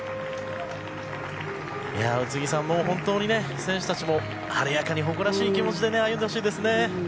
宇津木さん、本当にね選手たちも、晴れやかに誇らしい気持ちで歩んでほしいですね。